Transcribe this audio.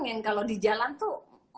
yang kalau di jalan tuh